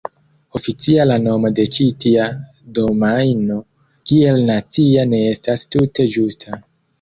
Oficiala nomo de ĉi tia domajno kiel "nacia" ne estas tute ĝusta.